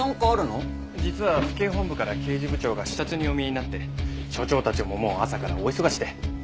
実は府警本部から刑事部長が視察にお見えになって署長たちももう朝から大忙しで。